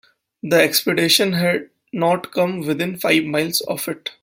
The expedition had not come within five miles of it.